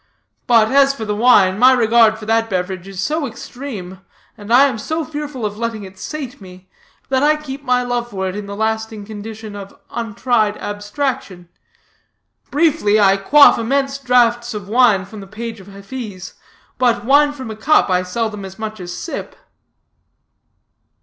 But, as for the wine, my regard for that beverage is so extreme, and I am so fearful of letting it sate me, that I keep my love for it in the lasting condition of an untried abstraction. Briefly, I quaff immense draughts of wine from the page of Hafiz, but wine from a cup I seldom as much as sip."